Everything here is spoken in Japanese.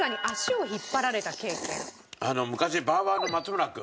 昔バウバウの松村君。